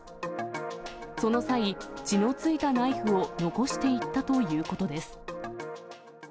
その際、血のついたナイフを残していったということです。